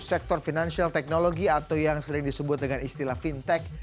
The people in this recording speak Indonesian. sektor finansial teknologi atau yang sering disebut dengan istilah fintech